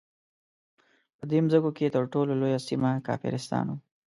په دې مځکو کې تر ټولو لویه سیمه کافرستان وو.